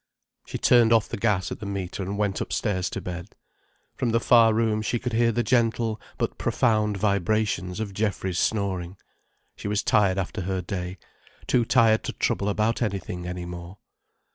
She turned off the gas at the meter, and went upstairs to bed. From the far room she could hear the gentle, but profound vibrations of Geoffrey's snoring. She was tired after her day: too tired to trouble about anything any more.